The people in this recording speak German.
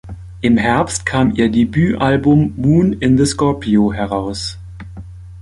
Im Herbst kam ihr Debütalbum "Moon in the Scorpio" heraus.